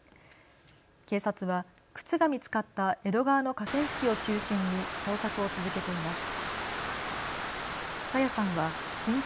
警察は靴が見つかった江戸川の河川敷を中心に捜索を続けています。